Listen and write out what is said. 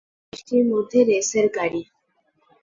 রাতে বৃষ্টির মধ্যে রেসের গাড়ি।